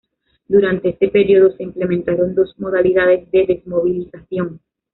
Durante ese periodo se implementaron dos modalidades de desmovilización.